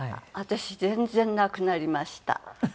私全然なくなりました